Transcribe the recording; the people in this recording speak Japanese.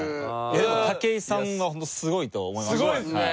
でも武井さんはすごいと思いましたね。